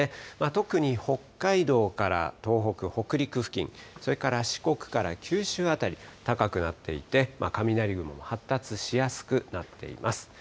特に北海道から東北、北陸付近、それから四国から九州辺り、高くなっていて、雷雲も発達しやすくなっています。